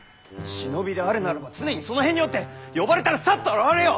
忍びであるならば常にその辺におって呼ばれたらさっと現れよ！